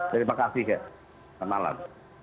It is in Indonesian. terima kasih kak selamat malam